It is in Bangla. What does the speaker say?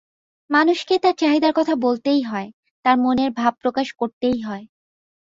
মানুষকে তার চাহিদার কথা বলতেই হয়, তার মনের ভাব প্রকাশ করতেই হয়।